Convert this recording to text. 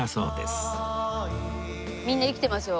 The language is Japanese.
みんな生きてますよ